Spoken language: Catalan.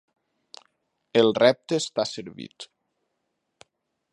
El repte està servit.